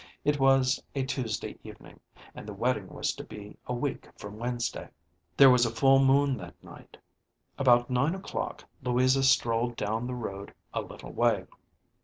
It was a Tuesday evening, and the wedding was to be a week from Wednesday. There was a full moon that night. About nine o'clock Louisa strolled down the road a little way.